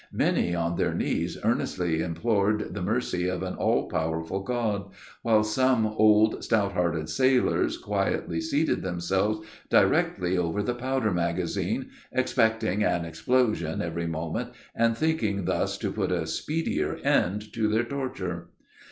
Many on their knees earnestly implored the mercy of an all powerful God! while some old stout hearted sailors quietly seated themselves directly over the powder magazine, expecting an explosion every moment, and thinking thus to put a speedier end to their torture.